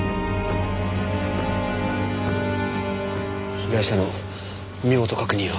被害者の身元確認を。